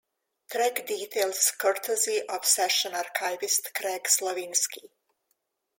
Track details courtesy of session archivist Craig Slowinski.